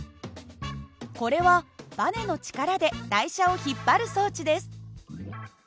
これはばねの力で台車を引っ張る装置です。